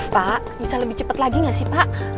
pak bisa lebih cepet lagi gak sih pak